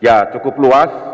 ya cukup luas